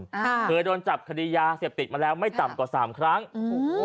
อ่าเคยโดนจับคดียาเสพติดมาแล้วไม่ต่ำกว่าสามครั้งโอ้โห